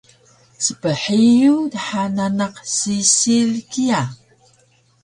sphiyug dha nanaq isil kiya